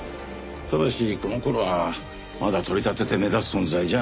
ただしこの頃はまだ取り立てて目立つ存在じゃなかった。